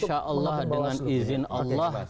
insya allah dengan izin allah